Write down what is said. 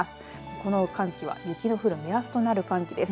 この寒気は雪の降る目安となる寒気です。